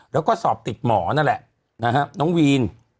แล้วก็สอบติดหมอนั่นแหละนะฮะน้องวีน